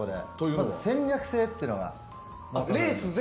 まず、戦略性というのが。